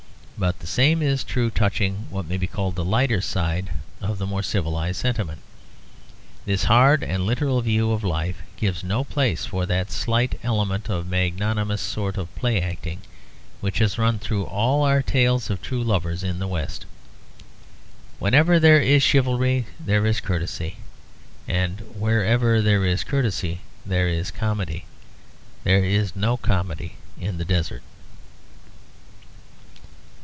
But the same is true touching what may be called the lighter side of the more civilised sentiment. This hard and literal view of life gives no place for that slight element of a magnanimous sort of play acting, which has run through all our tales of true lovers in the West. Wherever there is chivalry there is courtesy; and wherever there is courtesy there is comedy. There is no comedy in the desert.